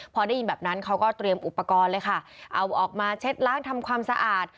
พอได้ยินแบบนั้นเขาก็เตรียมอุปกรณ์เลยค่ะเอาออกมาเช็ดล้างทำความสะอาด